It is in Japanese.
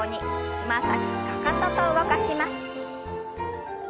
つま先かかとと動かします。